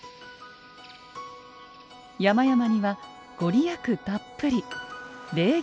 山々には御利益たっぷり霊験